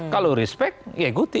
kalau respect ya ikuti